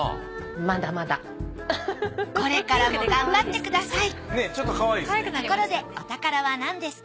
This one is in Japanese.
これからも頑張ってください！